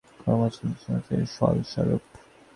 আমি এখন যাহা, তাহা আমার পূর্ব কর্ম ও চিন্তা-সমষ্টির ফলস্বরূপ।